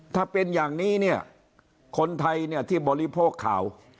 ถ้าเป็นอย่างนี้เนี่ยคนไทยเนี่ยที่บริโภคข่าว